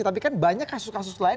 tapi kan banyak kasus kasus lain